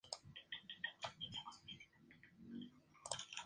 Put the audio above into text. No obstante, existe cierto nivel de tolerancia religiosa.